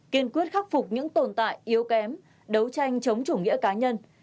kiên quyết khắc phục những tồn tại yếu kém đấu tranh chống chủ nghĩa cá nhân